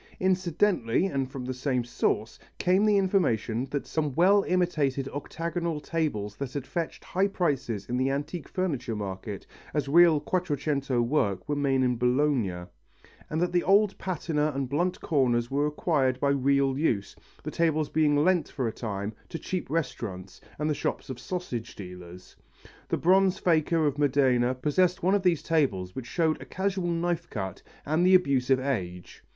Incidentally and from the same source came the information that some well imitated octagonal tables that had fetched high prices in the antique furniture market as real Quattrocento work were made in Bologna, and that the old patina and blunt corners were acquired by real use, the tables being lent for a time to cheap restaurants and the shops of sausage dealers. The bronze faker of Modena possessed one of these tables which showed a casual knife cut and the abuse of age.